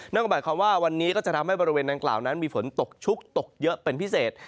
นั่นก็หมายความว่าวันนี้ก็จะทำให้บริเวณดังกล่าวนั้นมีฝนตกชุกตกเยอะเป็นพิเศษ